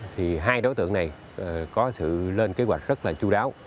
thì hai đối tượng này có sự lên kế hoạch rất là chú đáo